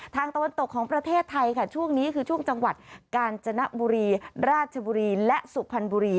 ตะวันตกของประเทศไทยค่ะช่วงนี้คือช่วงจังหวัดกาญจนบุรีราชบุรีและสุพรรณบุรี